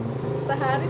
sehari sampai berapa